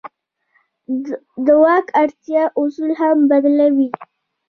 د واک اړتیا اصول هم بدلوي.